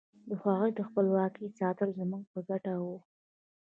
د هغوی د خپلواکۍ ساتل زموږ په ګټه وو.